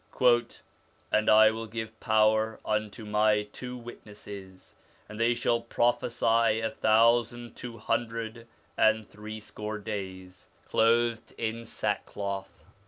'And I will give power unto my two witnesses, and they shall prophesy a thousand two hundred and threescore days, clothed in sackcloth.'